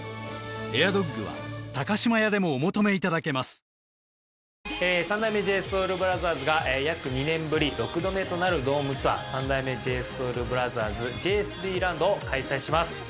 富岡製糸場みたいな三代目ＪＳＯＵＬＢＲＯＴＨＥＲＳが約２年ぶり６度目となるドームツアー三代目ＪＳＯＵＬＢＲＯＴＨＥＲＳ“ＪＳＢＬＡＮＤ”を開催します